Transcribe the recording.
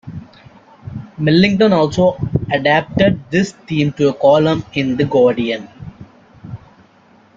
Millington also adapted this theme to a column in "The Guardian".